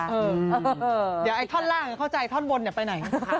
เดี๋ยวไอ้ท่อนล่างเข้าใจท่อนบนเดี๋ยวไปไหน